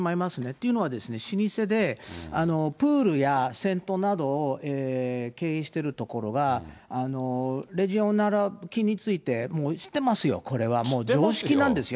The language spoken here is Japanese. というのはですね、老舗でプールや銭湯などを経営しているところは、レジオネラ菌についてもう知ってますよ、これはもう、常識なんですよ。